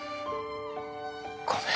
ごめん。